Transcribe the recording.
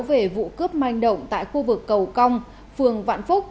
về vụ cướp manh động tại khu vực cầu cong phường vạn phúc